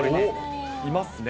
いますね。